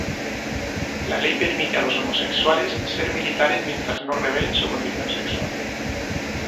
La ley permite a los homosexuales ser militares mientras no revelen su condición sexual.